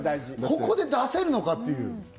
ここで出せるのかっていう。